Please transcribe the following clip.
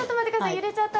揺れちゃった。